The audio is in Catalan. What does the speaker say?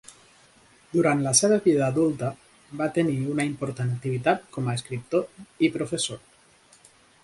Durant la seva vida adulta va tenir una important activitat com a escriptor i professor.